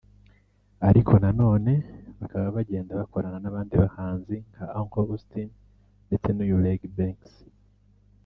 Ariko nanone bakaba bagenda bakorana n'abandi bahanzi nka Uncle Austin ndetse n'uyu Regy Benks